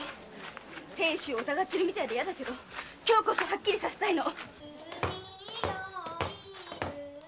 亭主を疑ってるみたいで嫌だけど今日こそはっきりさせたいの！